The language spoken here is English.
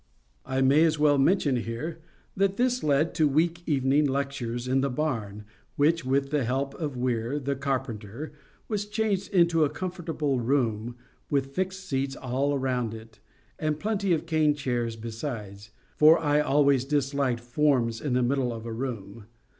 I may as well mention here that this led to week evening lectures in the barn, which, with the help of Weir the carpenter, was changed into a comfortable room, with fixed seats all round it, and plenty of cane chairs besides—for I always disliked forms in the middle of a room.